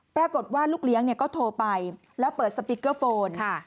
ปรากฏว่าลูกเลี้ยงก็โทรไปแล้วเปิดสปิกเกอร์โฟน